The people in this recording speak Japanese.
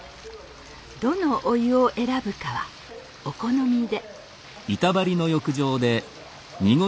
どのお湯を選ぶかはお好みで。